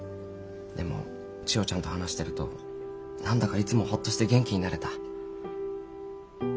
でも千代ちゃんと話してると何だかいつもほっとして元気になれた。